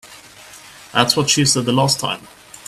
That's what she said the last time.